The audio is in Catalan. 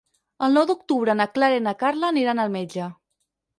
El nou d'octubre na Clara i na Carla aniran al metge.